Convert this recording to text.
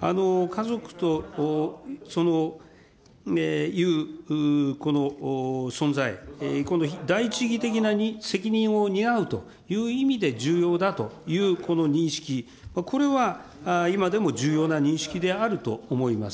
家族というこの存在、この第一義的な責任を担うという意味で重要だというこの認識、これは今でも重要な認識であると思います。